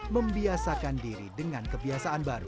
membiasakan diri dengan kebiasaan baru